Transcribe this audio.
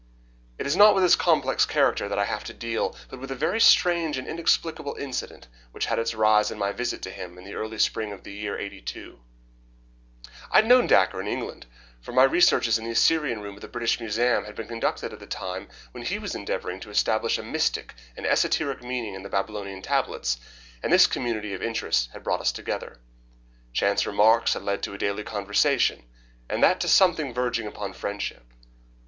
It is not with his complex character that I have to deal, but with the very strange and inexplicable incident which had its rise in my visit to him in the early spring of the year '82. I had known Dacre in England, for my researches in the Assyrian Room of the British Museum had been conducted at the time when he was endeavouring to establish a mystic and esoteric meaning in the Babylonian tablets, and this community of interests had brought us together. Chance remarks had led to daily conversation, and that to something verging upon friendship.